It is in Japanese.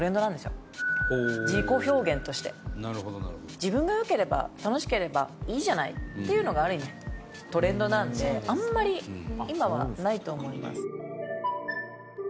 自分が良ければ楽しければいいじゃないっていうのがある意味トレンドなんであんまり今はないと思います。